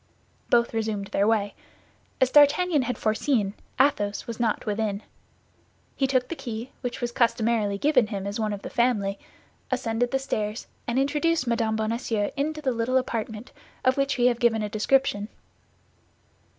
Both resumed their way. As D'Artagnan had foreseen, Athos was not within. He took the key, which was customarily given him as one of the family, ascended the stairs, and introduced Mme. Bonacieux into the little apartment of which we have given a description.